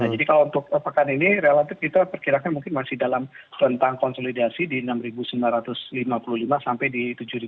jadi kalau untuk pekan ini relatif kita perkirakan mungkin masih dalam rentang konsolidasi di enam sembilan ratus lima puluh lima sampai di tujuh satu ratus dua puluh delapan